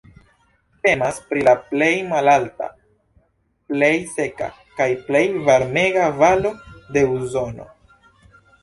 Temas pri la plej malalta, plej seka kaj plej varmega valo de Usono.